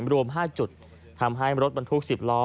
รวม๕จุดทำให้รถบรรทุก๑๐ล้อ